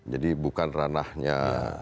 jadi bukan ranahnya